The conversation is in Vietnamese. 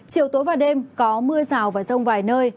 chiều tối và đêm có mưa rào và rông vài nơi